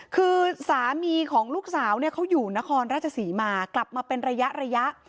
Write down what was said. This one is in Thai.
คือสามีของลูกสาวเนี่ยเขาอยู่นครราชศรีมากลับมาเป็นระยะ